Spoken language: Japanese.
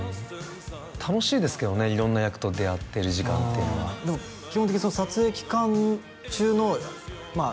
楽しいですけどね色んな役と出会ってる時間っていうのはでも基本的に撮影期間中のまあ